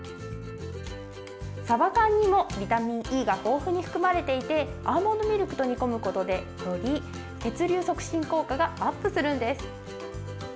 サバ缶にもビタミンＥが豊富に含まれていてアーモンドミルクと煮込むことでより血流促進効果がアップするんです。